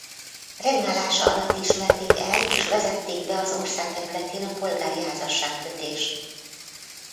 Regnálása alatt ismerték el és vezették be az ország területén a polgári házasságkötést.